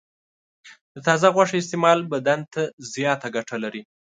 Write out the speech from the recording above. د تازه غوښې استعمال بدن ته زیاته ګټه لري.